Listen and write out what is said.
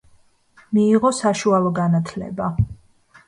მიიღო საშუალო განათლება.